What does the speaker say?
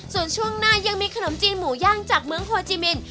ส่วนช่วงหน้ายังมีขนมจีนหมูย่างจากเมืองโฮจิมิน